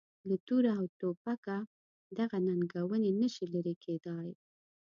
له توره او توپکه دغه ننګونې نه شي لرې کېدای.